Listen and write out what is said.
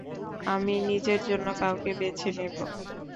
আমি নিজের জন্য কাউকে বেছে নেব।